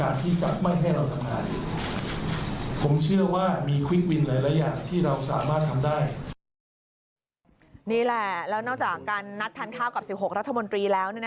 นี่แหละแล้วนอกจากการนัดทานข้าวกับ๑๖รัฐมนตรีแล้ว